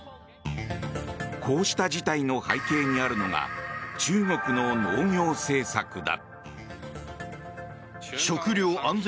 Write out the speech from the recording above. こうした事態の背景にあるのが中国の農業政策だ。